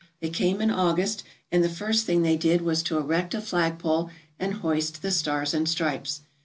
They came in August, and the first thing they did was to erect a flagpole and hoist the Stars and Stripes.